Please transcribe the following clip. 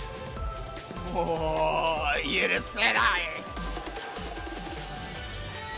もう許せない。